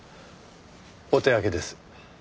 お手上げです。